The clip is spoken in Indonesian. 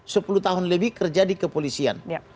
sepuluh tahun lebih kerja di kepolisian